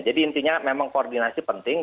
jadi intinya memang koordinasi penting